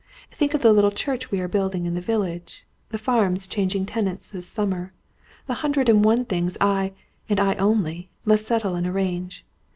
Think of the little church we are building in the village; the farms changing tenants this summer; the hundred and one things I, and I only, must settle and arrange.